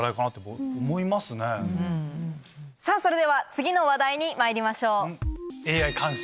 さぁそれでは次の話題にまいりましょう。